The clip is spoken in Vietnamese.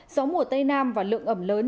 gió mùa tây nam và lượng ẩm lớn